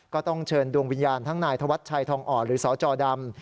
ก็ต้องเชิญดวงวิญญาณทั้งนายธวัชชัยทองอ่อนหรือสจดำ